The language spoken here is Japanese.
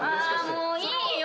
あもういいよ！